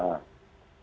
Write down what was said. yang kami lihat itu